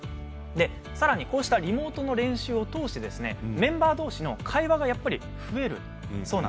さらに、こうしたリモートの練習を通してメンバーどうしの会話がやっぱり増えるそうなんですね。